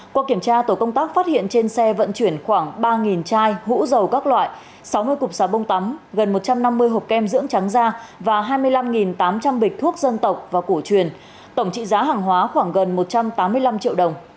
qua kiểm tra tổ công tác phát hiện trên xe vận chuyển khoảng ba chai ngũ dầu các loại sáu mươi cục xà bông tắm gần một trăm năm mươi hộp kem dưỡng trắng da và hai mươi năm tám trăm linh bịch thuốc dân tộc và cổ truyền tổng trị giá hàng hóa khoảng gần một trăm tám mươi năm triệu đồng